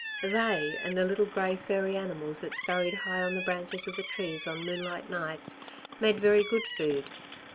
They, and the little grey furry animals that scurried high on the branches of the trees on moonlight nights, made very good food.